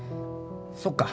そっか。